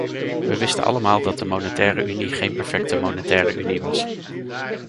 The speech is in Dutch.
We wisten allemaal dat de monetaire unie geen perfecte monetaire unie was.